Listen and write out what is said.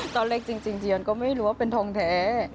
ตอนเล็กจริงเจียนก็ไม่รู้ว่าเป็นทองแท้